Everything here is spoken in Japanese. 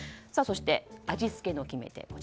そして、味付けの決め手